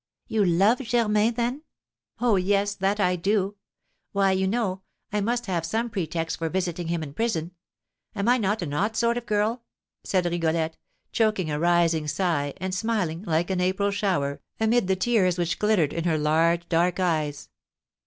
"You love Germain, then?" "Oh, yes, that I do! Why, you know, I must have some pretext for visiting him in prison. Am I not an odd sort of girl?" said Rigolette, choking a rising sigh, and smiling, like an April shower, amid the tears which glittered in her large dark eyes.